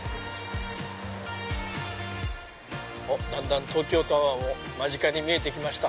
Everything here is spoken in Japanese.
だんだん東京タワーも間近に見えてきました。